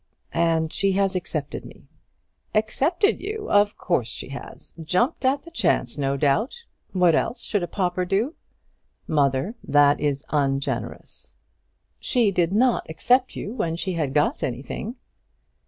"And she has accepted me." "Accepted you! of course she has; jumped at the chance, no doubt. What else should a pauper do?" "Mother, that is ungenerous." "She did not accept you when she had got anything."